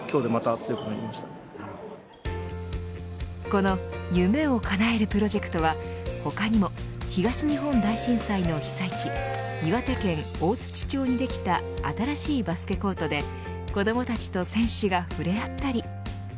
この夢をかなえるプロジェクトは他にも東日本大震災の被災地岩手県大槌町にできた新しいバスケコートで子どもたちと選手が触れ合ったり。